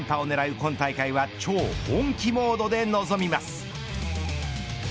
今大会は超本気モードで臨みます。